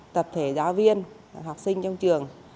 tập thể giáo viên học sinh trong trường